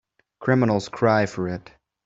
Criminals cry for it.